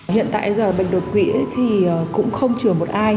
hiện tại giờ bệnh đột quỵ thì cũng không chừa một ai